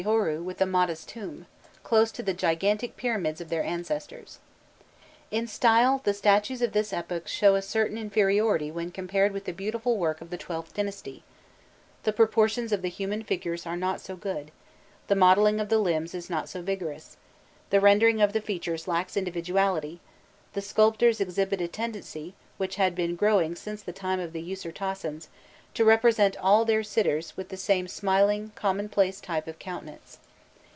Horû with a modest tomb, close to the gigantic pyramids of their ancestors. In style the statues of this epoch show a certain inferiority when compared with the beautiful work of the XIIth dynasty: the proportions of the human figure are not so good, the modelling of the limbs is not so vigorous, the rendering of the features lacks individuality; the sculptors exhibit a tendency, which had been growing since the time of the Usirtasens, to represent all their sitters with the same smiling, commonplace type of countenance.